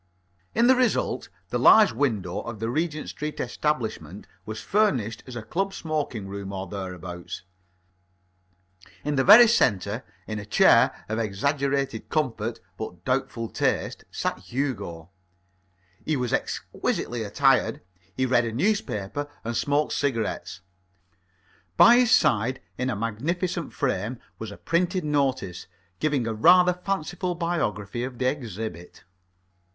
In the result, the large window of the Regent Street establishment was furnished as a club smoking room or thereabouts. In the very centre, in a chair of exaggerated comfort but doubtful taste, sat Hugo. He was exquisitely attired. He read a newspaper and smoked cigarettes. By his side, in a magnificent frame, was a printed notice, giving a rather fanciful biography of the exhibit.